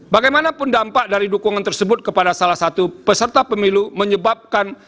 bagaimanapun dampak dari dukungan tersebut kepada salah satu peserta pemilu menyebabkan